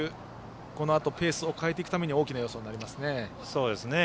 このあと、ペースを変えていくために大きな要素になりますね。